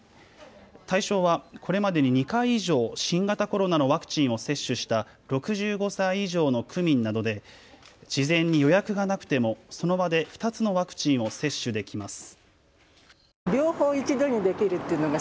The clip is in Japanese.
対象はこれまでに２回以上新型コロナのワクチンを接種した６５歳以上の区民などで事前に予約がなくてもその場で２つのワクチンを接種できます。